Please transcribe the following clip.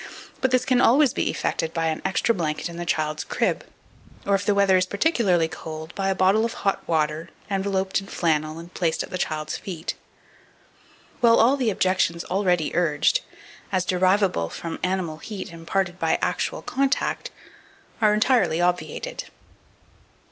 But this can always be effected by an extra blanket in the child's crib, or, if the weather is particularly cold, by a bottle of hot water enveloped in flannel and placed at the child's feet; while all the objections already urged as derivable from animal heat imparted by actual contact are entirely obviated.